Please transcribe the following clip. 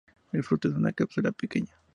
El fruto es una cápsula pequeña.